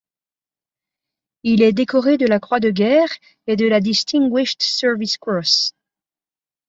Il est décoré de la Croix de guerre et de la Distinguished Service Cross.